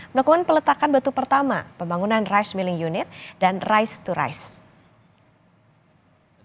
melakukan peletakan batu pertama pembangunan rice milling unit dan rice to rice